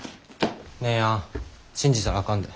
姉やん信じたらあかんで。